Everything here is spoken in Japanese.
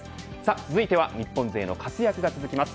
続いては日本勢の活躍が続きます。